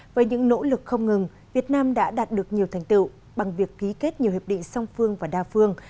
với những nỗ lực không ngừng việt nam đã đạt được nhiều thành tựu bằng việc ký kết nhiều hiệp định song phương và đa phương